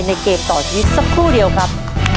เกมต่อชีวิตสักครู่เดียวครับ